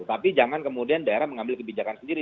tapi jangan kemudian daerah mengambil kebijakan sendiri